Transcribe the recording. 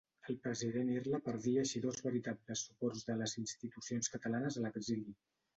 El president Irla perdia així dos veritables suports de les institucions catalanes a l'exili.